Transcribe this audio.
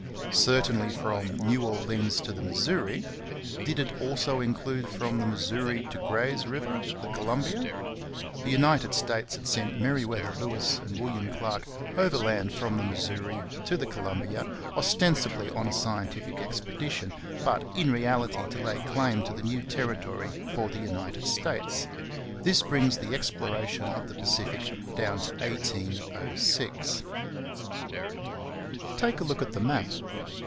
Certainly, from New Orleans to the Missouri. Did it also include from the Missouri to Gray's river, the Columbia? The United States had sent Meriwether Lewis and William Clark overland from the Missouri to the Columbia, ostensibly on a scientific expedition, but in reality to lay claim to the new territory for the United States. This brings the exploration of the Pacific down to 1806. Take a look at the map!